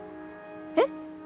えっ？